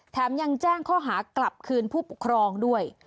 ยังแจ้งข้อหากลับคืนผู้ปกครองด้วย